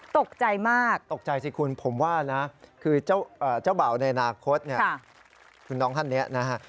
ตกใจมากตกใจสิคุณผมว่านะคือเจ้าบ่าวในอนาคตเนี่ยคุณน้องท่านนี้นะฮะ